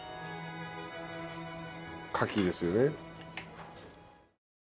カキですよね。